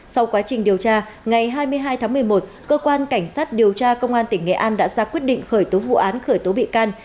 sau quá trình điều tra ngày hai mươi hai tháng một mươi một cơ quan cảnh sát điều tra công an tỉnh nghệ an đã ra quyết định khởi tố vụ án khởi tố bị can